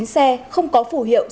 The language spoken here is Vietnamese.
ba mươi chín xe không có phủ hiệu